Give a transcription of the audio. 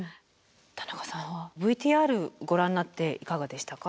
田中さんはＶＴＲご覧になっていかがでしたか？